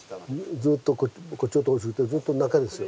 ずっとこっちのとこずっと中ですよ。